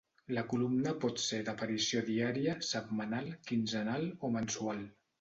La columna pot ser d'aparició diària, setmanal, quinzenal o mensual.